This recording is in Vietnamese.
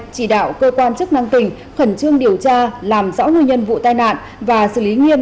chỉ đạo cơ quan chức năng tỉnh khẩn trương điều tra làm rõ nguyên nhân vụ tai nạn và xử lý nghiêm